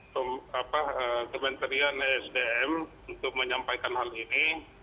kementerian esdm untuk menyampaikan hal ini